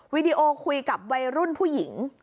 วิดีโอคุยกับวัยรุ่นผู้หญิง